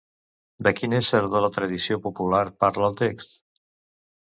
De quin ésser de la tradició popular parla el text?